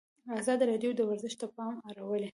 ازادي راډیو د ورزش ته پام اړولی.